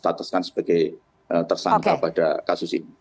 yang akan di statuskan sebagai tersangka pada kasus ini